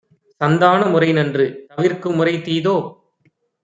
சந்தான முறைநன்று; தவிர்க்குமுறை தீதோ?